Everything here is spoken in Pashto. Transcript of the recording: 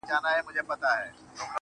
چي د پايزېب د شرنگولو کيسه ختمه نه ده~